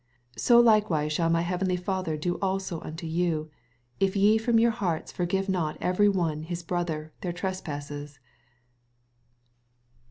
85 So likewise shall my heavenly Father do also unto you, if ye from your hearts forgive not every one hii brother their trespasses.